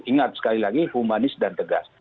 ingat sekali lagi humanis dan tegas